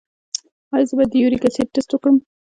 ایا زه باید د یوریک اسید ټسټ وکړم؟